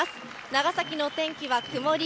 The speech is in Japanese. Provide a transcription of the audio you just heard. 長崎の天気は曇り。